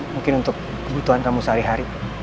mungkin untuk kebutuhan kamu sehari hari